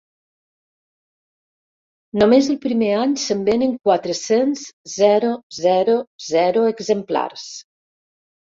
Només el primer any se'n venen quatre-cents.zero zero zero exemplars.